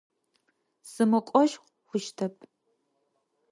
Сымыкӏожь хъущтэп.